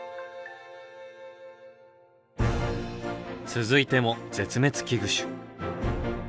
続いても絶滅危惧種。